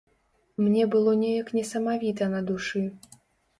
Мне было неяк несамавіта на душы.